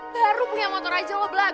baru punya motor aja lo belan